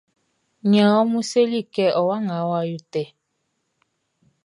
Nian ɔ mlu selikɛ, o wa nga wa yotɛ.